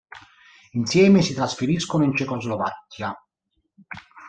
Insieme si trasferiscono in Cecoslovacchia.